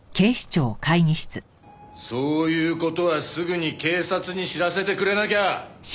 そういう事はすぐに警察に知らせてくれなきゃ！